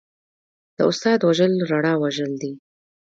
د استاد وژل رڼا وژل دي.